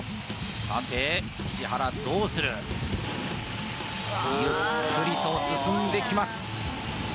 さて石原どうする？ゆっくりと進んできます